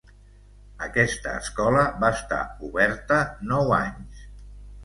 Aquesta escola va estar oberta nou anys.